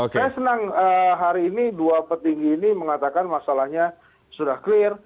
saya senang hari ini dua petinggi ini mengatakan masalahnya sudah clear